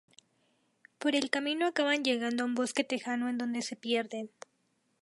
Por el camino acaban llegando a un bosque tejano en donde se pierden.